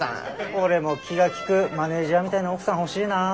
俺も気が利くマネージャーみたいな奥さん欲しいなあ。